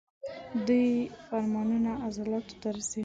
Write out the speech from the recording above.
دوی فرمانونه عضلاتو ته رسوي.